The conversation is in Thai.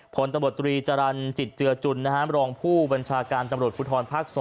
ผลตำรวจตรีจรรย์จิตเจือจุนรองผู้บัญชาการตำรวจภูทรภาค๒